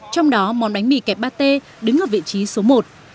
trong đó món bánh mì kẹp pate đứng ở vị trí số một